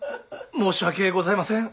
申し訳ございません。